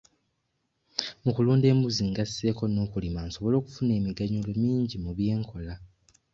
Mu kulunda embuzi ngasseeko n'okulima nsobole okufuna emiganyulo mingi mu by'enkola.